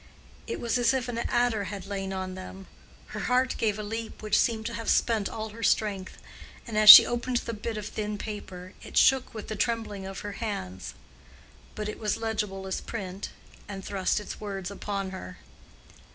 It was as if an adder had lain on them. Her heart gave a leap which seemed to have spent all her strength; and as she opened the bit of thin paper, it shook with the trembling of her hands. But it was legible as print, and thrust its words upon her.